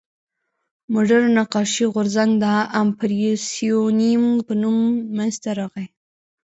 مډرن نقاشي غورځنګ د امپرسیونیېم په نوم منځ ته راغی.